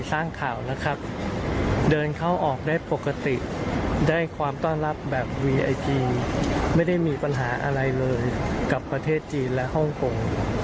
ลองฟังดูก่อนกันแล้วกัน